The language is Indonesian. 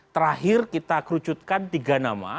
terakhir kita kerucutkan tiga nama